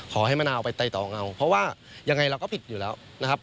มะนาวไปไตต่อเงาเพราะว่ายังไงเราก็ผิดอยู่แล้วนะครับ